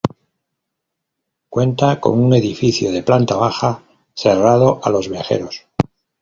Cuenta con un edificio de planta baja cerrado a los viajeros.